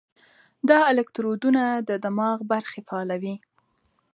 دا الکترودونه د دماغ برخې فعالوي.